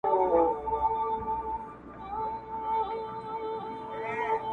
له نقابو یې پرهېزګاره درخانۍ ایستله!.